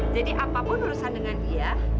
jadi apapun urusan dengan dia